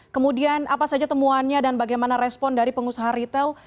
kemudian apa saja temuannya dan bagaimana respon dari pengusaha retail